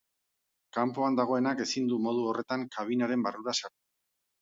Kanpoan dagoenak ezin du modu horretan kabinaren barrura sartu.